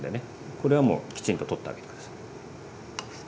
これはもうきちんと取ってあげて下さい。